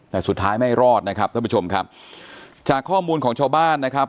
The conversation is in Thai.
แต่สุดท้ายไม่รอดนะครับท่านผู้ชมครับจากข้อมูลของชาวบ้านนะครับ